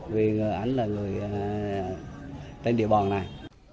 vì ảnh là người tên địa bàn này